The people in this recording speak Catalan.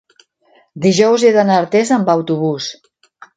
dijous he d'anar a Artés amb autobús.